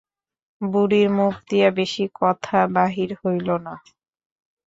বুড়ির মুখ দিয়া বেশি কথা বাহির হইল না।